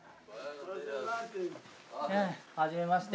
初めまして。